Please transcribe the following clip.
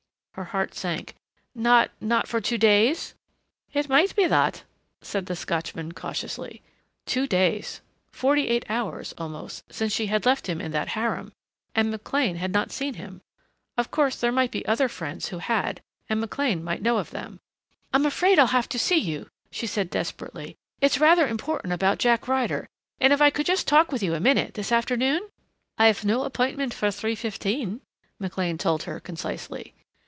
Her heart sank. "Not not for two days?" "It might be that," said the Scotchman cautiously. Two days. Forty eight hours, almost, since she had left him in that harem! And McLean had not seen him. Of course there might be other friends who had and McLean might know of them. "I'm afraid I'll have to see you," she said desperately. "It's rather important about Jack Ryder and if I could just talk with you a minute this afternoon ?" "I have no appointment for three fifteen," McLean told her concisely.